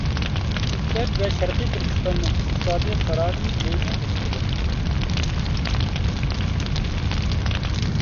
تىبەت ۋە شەرقىي تۈركىستاننىڭ ئىقتىسادىي قارارىنى بېيجىڭ بېكىتىدۇ.